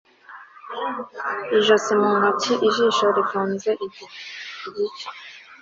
Ijosi mu ntoki ijisho rifunze igice